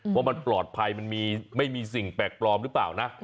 ว่ามันปลอดภัยมันไม่มีสิ่งแปลกปลอมหรือเปล่านะ